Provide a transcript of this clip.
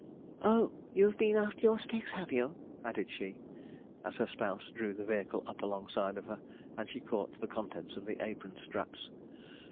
'Oh! you've been after your sticks, have you?' added she, as her spouse drew the vehicle up alongside of her, and she caught the contents of the apron straps.